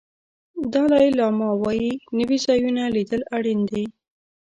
دالای لاما وایي نوي ځایونه لیدل اړین دي.